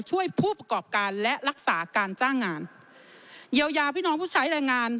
ผู้ประกอบการและรักษาการจ้างงานเยียวยาพี่น้องผู้ใช้แรงงาน